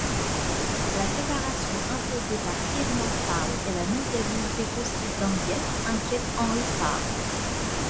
La séparation imposée par Irma Stahl et la non-viabilité possible d'Henriette inquiètent Henri Stahl.